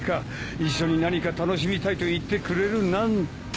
一緒に何か楽しみたいと言ってくれるなんて。